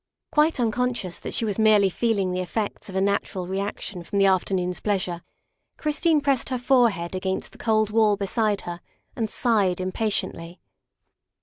Quite unconscious that she was merely feeling the effects of a natural reaction from the afternoon's pleas ure, Christine pressed her forehead against the cold wall beside her and sighed impatiently.